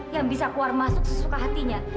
yang bisa keluar masuk sesuka hatinya